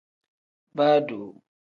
Baa doo.